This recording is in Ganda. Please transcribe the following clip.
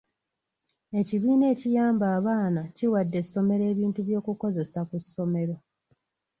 Ekibiina ekiyamba abaana kiwadde essomero ebintu eby'okukozesa ku ssomero.